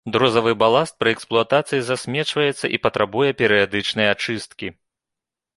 Друзавы баласт пры эксплуатацыі засмечваецца і патрабуе перыядычнай ачысткі.